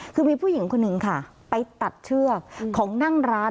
คือมีผู้หญิงคนหนึ่งค่ะไปตัดเชือกของนั่งร้าน